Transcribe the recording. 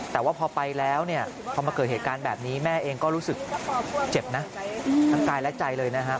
แต่ว่าพอไปแล้วเนี่ยพอมาเกิดเหตุการณ์แบบนี้แม่เองก็รู้สึกเจ็บนะทั้งกายและใจเลยนะครับ